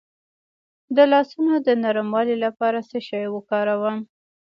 د لاسونو د نرموالي لپاره څه شی وکاروم؟